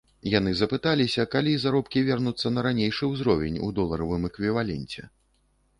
Яны запыталіся, калі заробкі вернуцца на ранейшы ўзровень у доларавым эквіваленце.